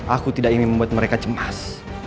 aku tidak ingin membuat mereka cemas